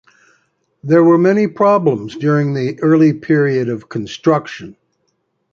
There were many problems during the early period of construction.